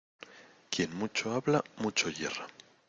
Quien mucho habla, mucho yerra.